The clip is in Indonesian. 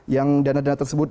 yang dana dana tersebut